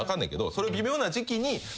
その微妙な時期に。